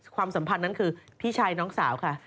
ความสัมพันธ์นั้นคือพี่ชายน้องสาวค่ะ